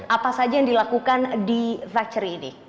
apa saja yang dilakukan di factory ini